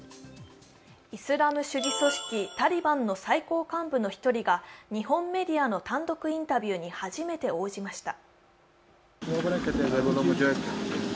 イスラム主義組織タリバンの最高幹部の１人が日本メディアの単独インタビューに初めて応じました。